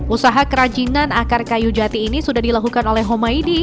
usaha kerajinan akar kayu jati ini sudah dilakukan oleh homaidi